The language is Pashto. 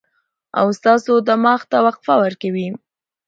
او ستاسو دماغ ته وقفه ورکوي